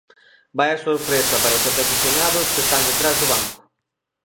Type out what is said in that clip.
Vaia sorpresa para os afeccionados que están detrás do banco.